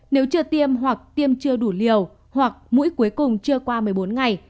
nếu chưa tiêm hoặc tiêm chưa đủ liều hoặc mũi cuối cùng chưa qua một mươi bốn ngày